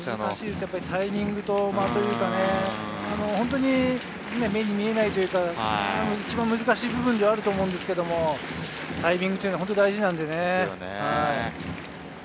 タイミングと間というかね、目に見えないというか一番難しい部分ではあると思うんですけれど、タイミングっていうのは本当に大事なのでね。